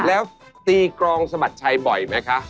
แล้วตีกรองสมัครชัยบ่อยไหมคะ